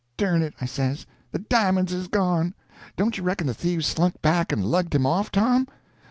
"Dern it," I says, "the di'monds is gone. Don't you reckon the thieves slunk back and lugged him off, Tom?"